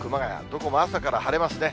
どこも朝から晴れますね。